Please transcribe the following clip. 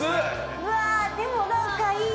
うわー、でもなんかいい。